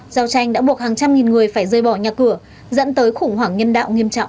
giao tranh đã buộc hàng trăm nghìn người phải rơi bỏ nhà cửa dẫn tới khủng hoảng nhân đạo nghiêm trọng